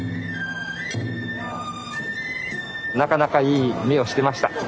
なかなかいい目をしてました。